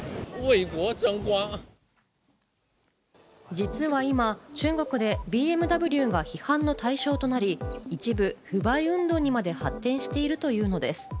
実は今、中国でＢＭＷが批判の対象となり、一部、不買運動にまで発展しているというのです。